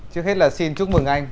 trước hết là xin chúc mừng anh